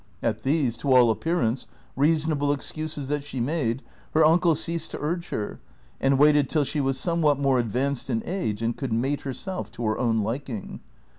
At these, to all appearance, reasonable excuses that she niade, her uncle ceased to urge her, and waited till she was somewhat more advanced in age and could mate her self to her own liking.